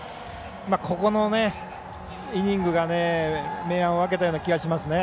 ここのイニングが明暗を分けたような気がしますね。